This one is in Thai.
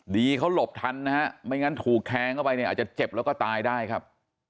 ดีเขาหลบทันนะฮะไม่งั้นถูกแทงเข้าไปเนี่ยอาจจะเจ็บแล้วก็ตายได้ครับ